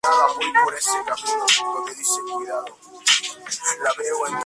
Esto fue negado inmediatamente por un portavoz de la actriz.